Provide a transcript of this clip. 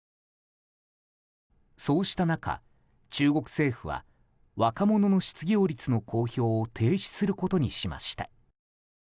そうした中、中国政府は若者の失業率の公表を停止することにしました。